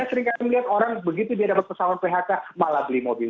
saya seringkali melihat orang begitu dia dapat pesawat phk malah beli mobil